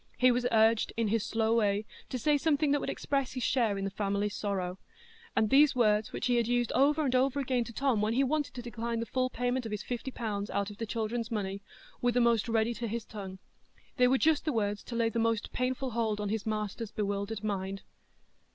He was urged, in his slow way, to say something that would express his share in the family sorrow; and these words, which he had used over and over again to Tom when he wanted to decline the full payment of his fifty pounds out of the children's money, were the most ready to his tongue. They were just the words to lay the most painful hold on his master's bewildered mind.